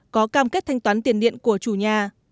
có cam kết thanh toán tiền điện của chủ nhà